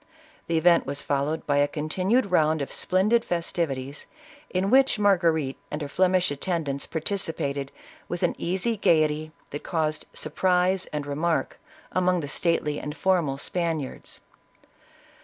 The event was followed by a continued round of splendid festivities, in which Margarite and her Flemish attendants participated, with an easy gaiety that caused surprise and remark among the stately and formal Spaniards.